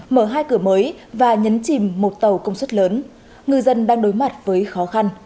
mở hai cửa mới và nhấn chìm một tàu công suất lớn ngư dân đang đối mặt với khó khăn